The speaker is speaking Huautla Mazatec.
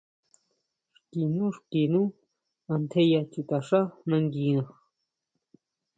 Xki nú, xki nú antjeya chutaxá nanguina.